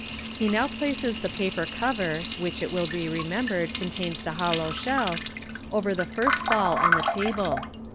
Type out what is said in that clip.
He now places the paper cover (which, it will be remembered, contains the hollow shell) over the first ball on the table.